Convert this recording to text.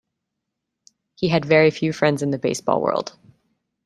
He had very few friends in the baseball world.